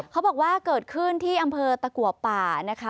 เขาบอกว่าเกิดขึ้นที่อำเภอตะกัวป่านะคะ